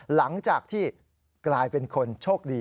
หลังจากที่กลายเป็นคนโชคดี